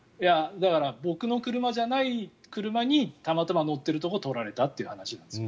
だから僕の車じゃない車にたまたま、乗っているところを撮られたという話なんですよ。